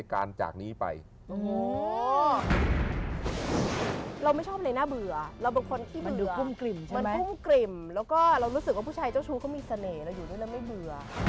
อยู่ดังนั้นไม่เบื่อ